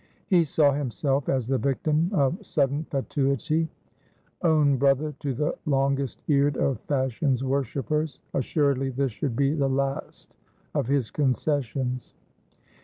He saw himself as the victim of sudden fatuity, own brother to the longest eared of fashion's worshippers. Assuredly this should be the last of his concessions.